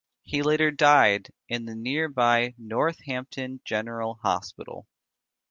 He later died in the nearby Northampton General Hospital.